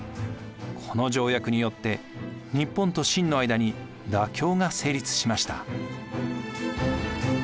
この条約によって日本と清の間に妥協が成立しました。